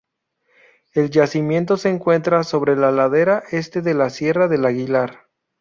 El yacimiento se encuentra sobre la ladera este de la Sierra del Aguilar.